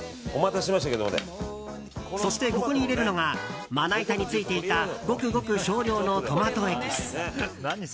そして、ここに入れるのがまな板についていたごくごく少量のトマトエキス。